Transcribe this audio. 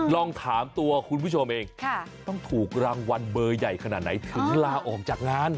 ลองถามตัวคุณผู้ชมเองต้องถูกรางวัลเบอร์ใหญ่ขนาดไหนถึงลาออกจากงาน